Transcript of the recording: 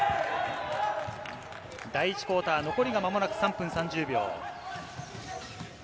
第１クオーター、残りが間もなく３分３０秒。